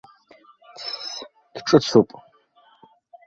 Тсс, дҿыцуп!